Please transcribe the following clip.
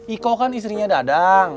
iko kan istrinya dadang